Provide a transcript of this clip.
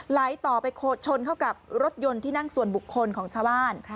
ไหลต่อไปชนเข้ากับรถยนต์ที่นั่งส่วนบุคคลของชาวบ้าน